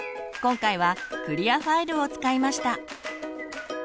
今回はクリアファイルを使いました。